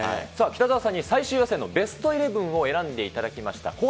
さあ、北澤さんに最終予選のベストイレブンを選んでいただきました。